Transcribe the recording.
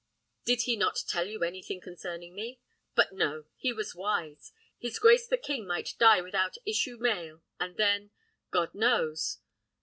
Did he not tell you anything concerning me? But no! he was wise. His grace the king might die without issue male; and then God knows!